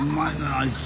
あいつ。